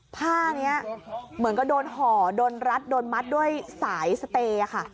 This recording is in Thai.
ผ้านี้เหมือนกับโดนห่อโดนรัดโดนมัดด้วยสายสเตย์ค่ะ